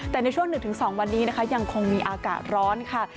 แต่ในช่วงหนึ่งถึงสองวันนี้ยังคงมีอากาศร้อนค่ะ